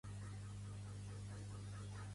Pertany al moviment independentista la Maca?